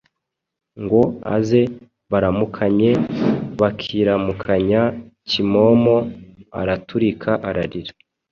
ngo aze baramukanye, bakiramukanya Kimomo araturika ararira.